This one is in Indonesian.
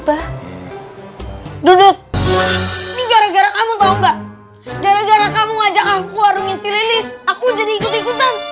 bah duduk gara gara kamu tahu enggak gara gara kamu ajak aku warungi silinis aku jadi ikut ikutan